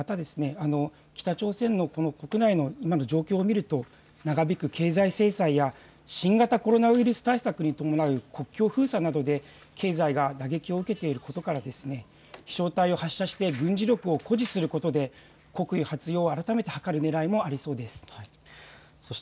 北朝鮮の国内の今の状況を見ると長引く経済制裁や新型コロナウイルス対策に伴う国境封鎖などで経済が打撃を受けていることから飛しょう体を発射して軍事力を誇示することで国威発揚を改めて図るねらいもありそうです。